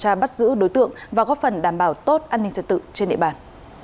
công an thành phố ninh bình đã bắt giữ đối tượng và góp phần đảm bảo tốt an ninh trật tự trên địa bàn